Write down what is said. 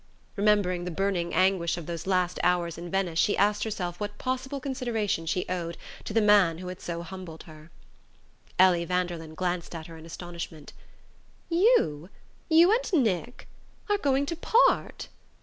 Remembering the burning anguish of those last hours in Venice she asked herself what possible consideration she owed to the man who had so humbled her. Ellie Vanderlyn glanced at her in astonishment. "You? You and Nick are going to part?"